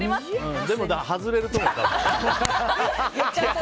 でも外れると思う。